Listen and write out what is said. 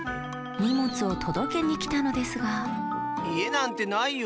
にもつをとどけにきたのですがいえなんてないよ。